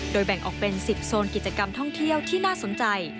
แบ่งออกเป็น๑๐โซนกิจกรรมท่องเที่ยวที่น่าสนใจ